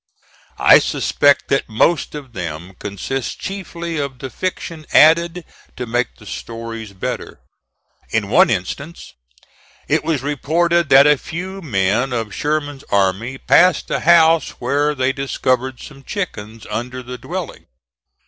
I suspect that most of them consist chiefly of the fiction added to make the stories better. In one instance it was reported that a few men of Sherman's army passed a house where they discovered some chickens under the dwelling.